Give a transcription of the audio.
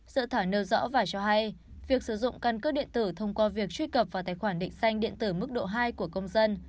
sự thảo nêu rõ và cho hay việc sử dụng căn cước điện tử thông qua việc truy cập vào tài khoản định danh điện tử mức độ hai của công dân